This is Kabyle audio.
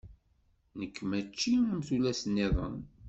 Nekk mačči am tullas-niḍen.